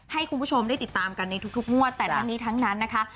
ให้คุณผู้ชมได้ติดตามกันในทุกงวดแต่ทั้งนี้ทั้งนั้นนะคะ